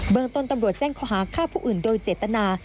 เมืองต้นตำรวจแจ้งข้อหาฆ่าผู้อื่นโดยเจตนา